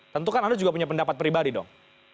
tentukan anda juga punya pendapat pribadi dong